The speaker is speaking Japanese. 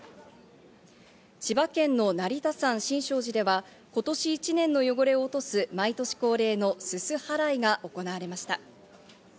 千葉県の成田山新勝寺では今年一年の汚れを落とす、毎年恒例のすす払いが行われました。